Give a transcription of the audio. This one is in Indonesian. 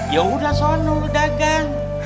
ya udah sonu lo dagang